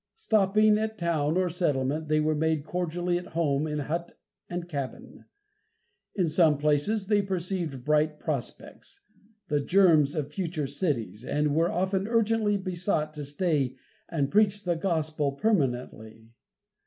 Stopping at town or settlement they were made cordially at home in hut and cabin. In some places they perceived bright prospects, the germs of future cities, and were often urgently besought to stay and preach the gospel permanently.